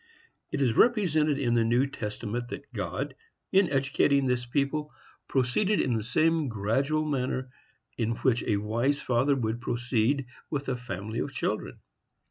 It is represented in the New Testament that God, in educating this people, proceeded in the same gradual manner in which a wise father would proceed with a family of children.